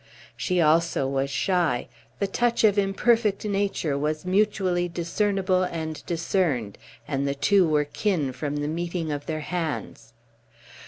She also was shy; the touch of imperfect nature was mutually discernible and discerned; and the two were kin from the meeting of their hands.